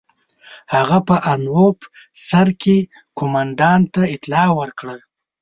هغه په انوپ سهر کې قوماندان ته اطلاع ورکړه.